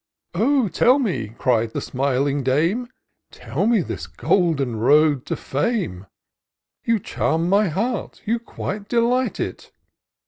" Oh ! tell me," cried the smiling dame, " Tell me this golden road to fame : You charm my heart, you quite delight it."